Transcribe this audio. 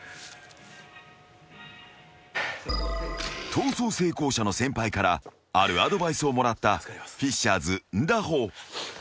［逃走成功者の先輩からあるアドバイスをもらったフィッシャーズンダホ］